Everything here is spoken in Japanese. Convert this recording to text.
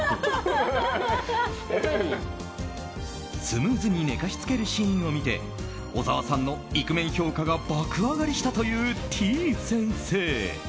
スムーズに寝かしつけるシーンを見て小澤さんのイクメン評価が爆上がりしたという、てぃ先生。